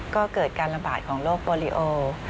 ๒๔๙๓๒๔๙๕ก็เกิดการลำบาดของโรคโบรีโอ